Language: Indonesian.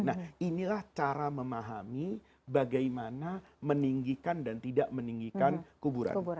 nah inilah cara memahami bagaimana meninggikan dan tidak meninggikan kuburan